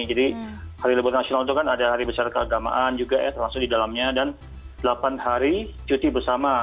jadi hari libur nasional itu kan ada hari besar keagamaan juga ya langsung di dalamnya dan delapan hari cuti bersama